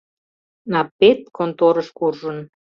Наппет конторыш куржын.